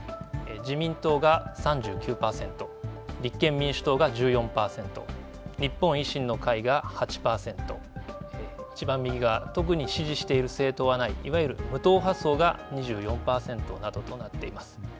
自民党が３９％、立憲民主党が１４％、日本維新の会が８％、いちばん右が特に支持している政党はないいわゆる無党派層が２４％などとなっています。